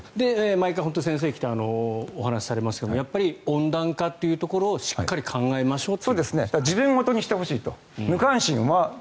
毎回、先生が来てお話しされますけどやっぱり温暖化というところをしっかり考えましょうと。